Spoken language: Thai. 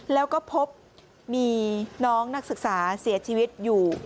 แล้วก็พบมีน้องนักศึกษาเสียชีวิตอยู่